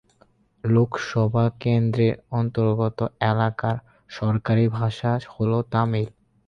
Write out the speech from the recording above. লোকসভা কেন্দ্রের অন্তর্গত এলাকার সরকারি ভাষা হল তামিল।